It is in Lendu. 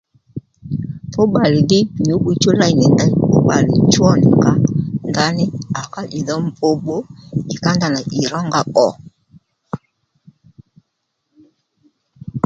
Fú bbalè dhí nyǔ'wiy chú léy nì ndey fú bbalè cho nì nga ndaní à ká ìdho mb bbu ì ká ndanà ì rónga pbò